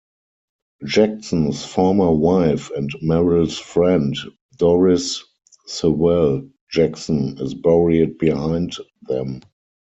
Jackson's former wife and Merrill's friend, Doris Sewell Jackson is buried behind them.